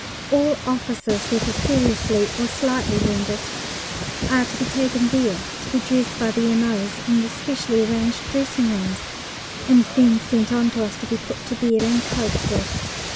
All officers, whether seriously or slightly wounded, are to be taken there to be dressed by the M.O.'s in the specially arranged dressing rooms, and then sent on to us to be put to bed and coped with.